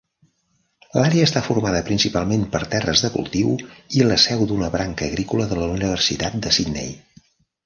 L'àrea està formada principalment per terres de cultiu i la seu d'una branca agrícola de la Universitat de Sydney.